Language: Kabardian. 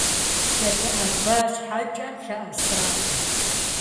КӀэлъыӀэба щхьэкӀэ лъэӀэсакъым.